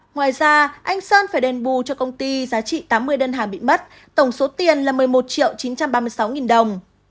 ngoài ra anh sơn phải đền bù cho công ty giá trị tám mươi đơn hàng bị mất tổng số tiền là một mươi một triệu chín trăm ba mươi sáu nghìn đồng